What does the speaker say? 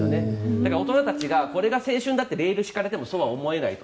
だから大人たちがこれが青春だってレールを敷かれてもそうは思えないと。